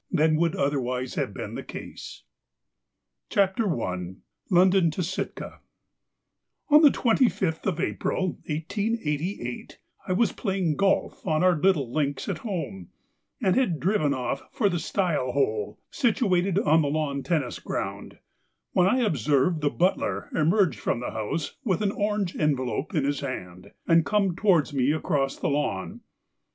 Weller._] WITH SACK AND STOCK IN ALASKA CHAPTER I LONDON TO SITKA On the twenty fifth of April, 1888, I was playing golf on our little links at home, and had driven off for the Stile Hole, situated on the lawn tennis ground, when I observed the butler emerge from the house with an orange envelope in his hand, and come towards me across the lawn.